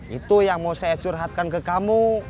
itu yang mau saya curhatkan ke kamu